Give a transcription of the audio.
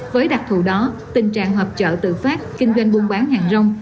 với đặc thù đó tình trạng họp chợ tự phát kinh doanh buôn bán hàng rong